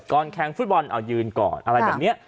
ก้อนแค่งฟวตบอลเอายืนก่อนอะไรแบบเนี้ย